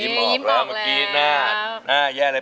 ยิ้มออกแล้วเมื่อกี้หน้า